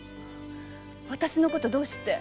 私のことどうして？